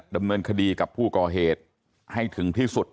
ดำเนินคดีกับผู้ก่อเหตุให้ถึงที่สุด